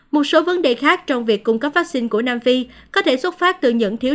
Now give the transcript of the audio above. một số vấn đề khác trong việc cung cấp vaccine của nam phi có thể xuất phát từ những thiếu